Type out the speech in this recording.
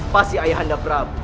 pasti ayahanda prabu